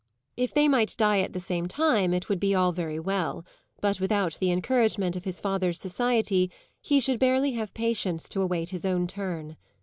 If they might die at the same time it would be all very well; but without the encouragement of his father's society he should barely have patience to await his own turn.